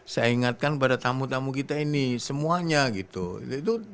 saya ingatkan pada tamu tamu kita ini semuanya gitu